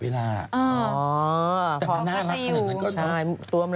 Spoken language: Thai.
เฮัิล